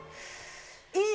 いい！